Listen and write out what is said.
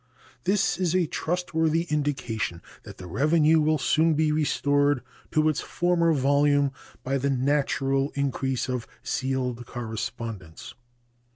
This is a trustworthy indication that the revenue will soon be restored to its former volume by the natural increase of sealed correspondence.